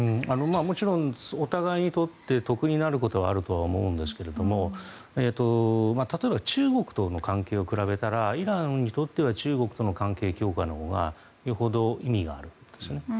もちろんお互いにとって得になることはあると思うんですが例えば、中国との関係を比べたらイランにとっては中国との関係強化のほうがよほど意味があるんですね。